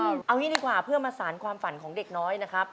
เอางี้ดีกว่าเพื่อมาสารความฝันของเด็กน้อยนะครับ